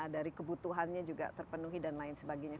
dari kebutuhannya juga terpenuhi dan lain sebagainya